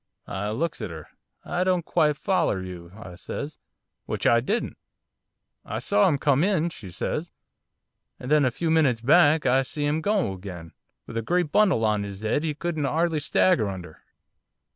I looks at 'er, "I don't quite foller you," I says, which I didn't. "I saw him come in," she says, "and then, a few minutes back, I see 'im go again, with a great bundle on 'is 'ead he couldn't 'ardly stagger under!"